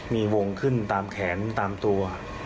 มีวงขึ้นตามแขนตามตัว